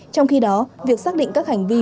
trong khi đó việc xác định các hành vi